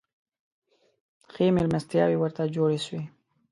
ښې مېلمستیاوي ورته جوړي سوې.